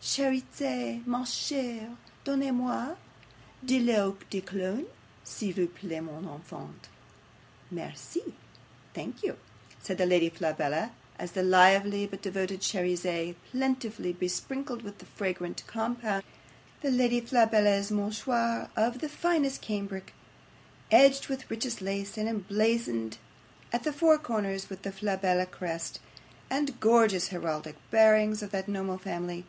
"CHERIZETTE, MA CHERE, DONNEZ MOI DE L'EAU DE COLOGNE, S'IL VOUS PLAIT, MON ENFANT." '"MERCIE thank you," said the Lady Flabella, as the lively but devoted Cherizette plentifully besprinkled with the fragrant compound the Lady Flabella's MOUCHOIR of finest cambric, edged with richest lace, and emblazoned at the four corners with the Flabella crest, and gorgeous heraldic bearings of that noble family.